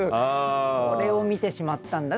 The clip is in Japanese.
これを見てしまったという。